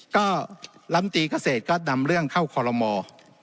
ก็ลำตีเกษตรก็นำเรื่องเข้าคอลโลมอร์